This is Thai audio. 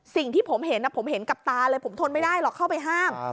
สิ่งที่ผมเห็นผมเห็นกับตาเลยผมทนไม่ได้หรอกเข้าไปห้าม